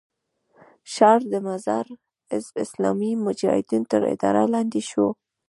شا مزار د حزب اسلامي مجاهدینو تر اداره لاندې شو.